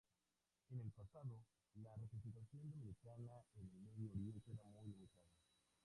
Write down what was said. En el pasado, la representación dominicana en el Medio Oriente era muy limitada.